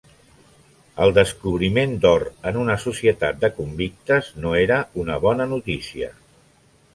El descobriment d'or en una societat de convictes no era una bona notícia.